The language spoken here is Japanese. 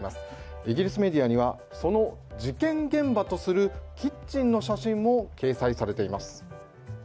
イギリスメディアにはその事件現場とするキッチンの写真も掲載されています。